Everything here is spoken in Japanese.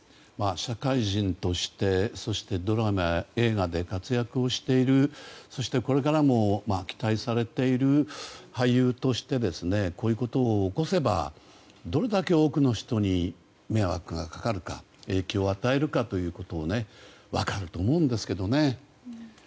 社会人として、そしてドラマや映画で活躍をしているそしてこれからも期待されている俳優としてこういうことを起こせばどれだけ多くの人に迷惑がかかるか影響を与えるかということが分かると思うんですけどね。